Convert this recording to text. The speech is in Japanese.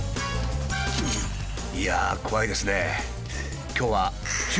いやあ怖いですね。